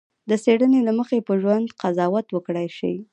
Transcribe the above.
د څېړنې له مخې په ژوند قضاوت وکړای شي.